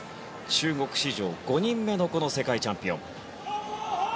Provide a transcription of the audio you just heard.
中国史上５人目の世界チャンピオン。